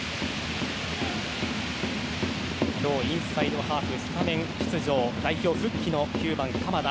今日、インサイドハーフスタメン出場代表復帰の９番、鎌田。